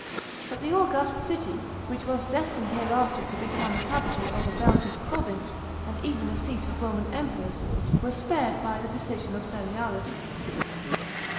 But the august city, which was destined hereafter to become the capital of a Belgic province, and even a seat of Roman Emperors, was spared by the decision of Cerealis.